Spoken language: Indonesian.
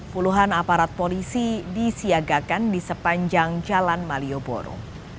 puluhan aparat polisi disiagakan di sepanjang jalan malioboro